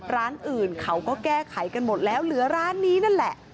ร้านอื่นเขาก็แก้ไขกันหมดแล้วเหลือร้านนี้นั่นแหละ